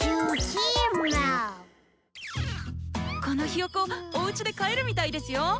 このひよこおうちで飼えるみたいですよ。